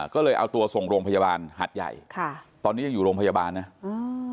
ก็เลยเอาตัวส่งโรงพยาบาลหัดใหญ่ค่ะตอนนี้ยังอยู่โรงพยาบาลนะอืม